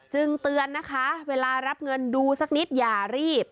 เตือนนะคะเวลารับเงินดูสักนิดอย่ารีบ